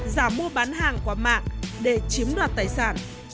giả mua bán hàng qua mạng để chiếm đoạt tài sản